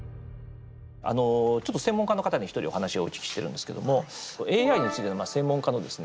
あのちょっと専門家の方に１人お話をお聞きしてるんですけどもＡＩについての専門家のですね